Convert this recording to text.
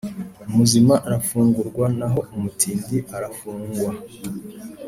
Umuzima arafungurwa naho umutindi arafungwa